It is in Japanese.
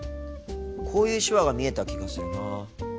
こういう手話が見えた気がするなぁ。